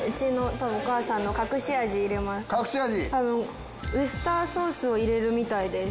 多分ウスターソースを入れるみたいです。